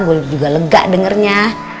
gue juga lega dengernya